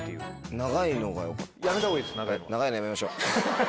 長いのやめましょう。